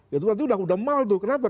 ya itu nanti sudah mal tuh kenapa